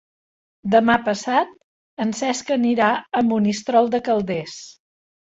Demà passat en Cesc anirà a Monistrol de Calders.